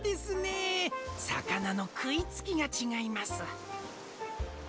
さかなのくいつきがちがいます。